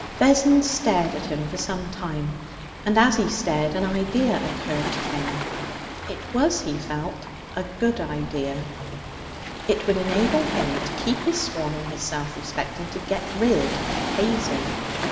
Vessons stared at him for some time, and, as he stared, an idea occurred to him. It was, he felt, a good idea. It would enable him to keep his swan and his self respect and to get rid of Hazel.